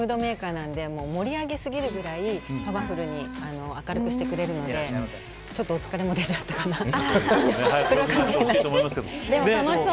なんで盛り上げすぎるぐらいパワフルに明るくしてくれるんでちょっとお疲れも出ちゃったかなと。